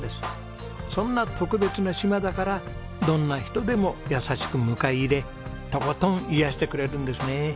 そんな特別な島だからどんな人でも優しく迎え入れとことん癒やしてくれるんですね。